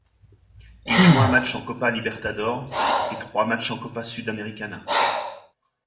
Il joue un match en Copa Libertadores et trois matchs en Copa Sudamericana.